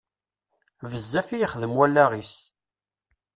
Bezzaf i yexdem wallaɣ-is.